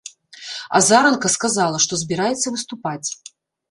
Азаранка сказала, што збіраецца выступаць.